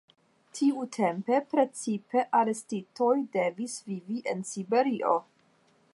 Tiutempe precipe arestitoj devis vivi en Siberio.